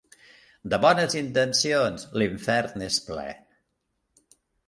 De bones intencions, l'infern n'és ple.